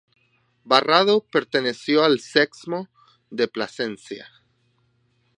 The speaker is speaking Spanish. Barrado perteneció al Sexmo de Plasencia.